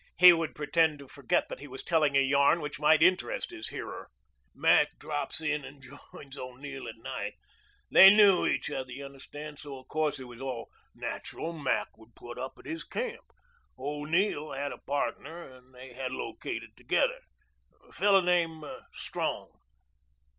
He would pretend to forget that he was telling a yarn which might interest his hearer. "Mac draps in and joins O'Neill at night. They knew each other, y' understand, so o' course it was natural Mac would put up at his camp. O'Neill had a partner and they had located together. Fellow named Strong."